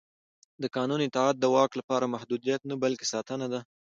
د قانون اطاعت د واک لپاره محدودیت نه بلکې ساتنه ده